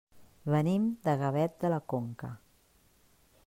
Venim de Gavet de la Conca.